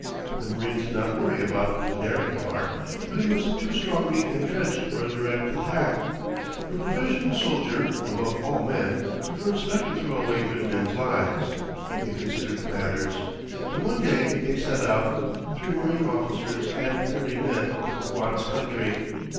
The marines did not worry about the daring part; but he was too strongly intrenched for a direct attack. Your professional soldier, above all men, prefers not to throw away good men's lives. They considered matters; and one day they set out, three marine officers and thirty men, for Juan's country.